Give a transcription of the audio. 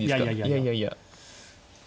いやいやいや。